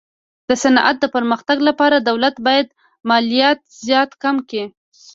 د صنعت د پرمختګ لپاره دولت باید مالیات زیات کم کي.